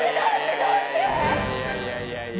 いやいやいやいや。